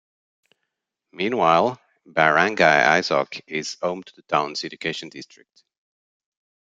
Meanwhile, Barangay Isok is home to the town's education district.